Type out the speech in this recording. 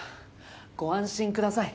ご安心ください。